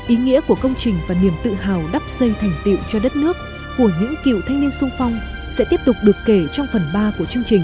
ý nghĩa của công trình và niềm tự hào đắp xây thành tiệu cho đất nước của những cựu thanh niên sung phong sẽ tiếp tục được kể trong phần ba của chương trình